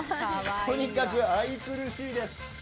とにかく愛くるしいです。